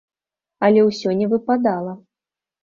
Але ўсё не выпадала.